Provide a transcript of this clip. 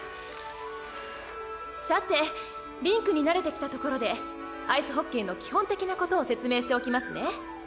さてリンクに慣れてきたところでアイスホッケーの基本的なことを説明しておきますね。